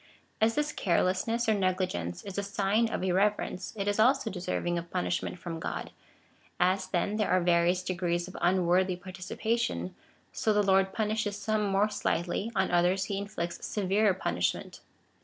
As this care lessness or negligence is a sign of irreverence, it is also de serving of punishment from God. As, then, there are vari ous degrees of unworthy participation, so the Lord punishes VOL. I. 2 b 386 COMMENTAEY ON THE CHAP. XL 27 some more slightly ; on others lie inflicts severer punish ment.